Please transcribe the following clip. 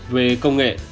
về công nghệ